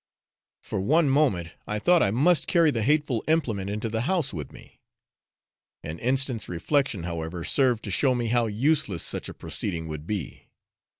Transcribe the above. For one moment I thought I must carry the hateful implement into the house with me. An instant's reflection, however, served to show me how useless such a proceeding would be.